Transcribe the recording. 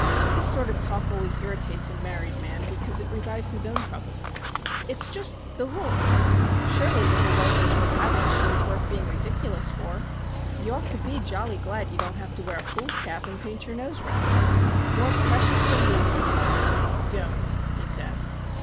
This sort of talk always irritates a married man because it revives his own troubles. "It's just the rule. Surely, if a wife is worth having she is worth being ridiculous for? You ought to be jolly glad you don't have to wear a fool's cap and paint your nose red. 'More precious than rubies' " "Don't," he said.